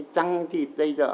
trăng thịt dây dở